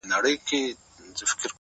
چا مي د زړه كور چا دروازه كي راته وژړل.!